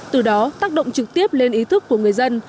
từ đó tác động trực tiếp lên ý thức của người dân